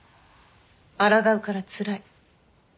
あらがうからつらい。